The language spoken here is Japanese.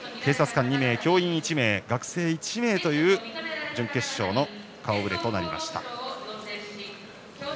警察官２名教員１名、学生１名という準決勝の顔触れとなりました。